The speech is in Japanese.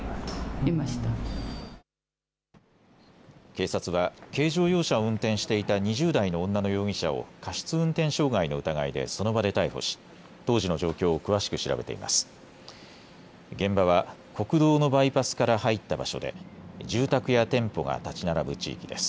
警察は軽乗用車を運転していた２０代の女の容疑者を過失運転傷害の疑いでその場で逮捕し当時の状況を詳しく調べています。